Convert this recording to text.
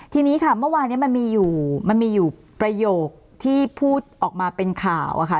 ทีนี้ค่ะเมื่อวานนี้มันมีอยู่มันมีอยู่ประโยคที่พูดออกมาเป็นข่าวอะค่ะ